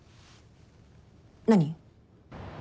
何？